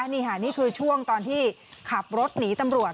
นี่ค่ะนี่คือช่วงตอนที่ขับรถหนีตำรวจ